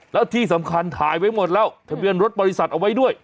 แล้วที่สำคัญถ่ายไว้หมดแล้วทะเบียนรถบริษัทเอาไว้ด้วย